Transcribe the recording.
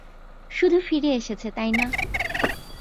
শুধু ফিরে এসেছে তাই না।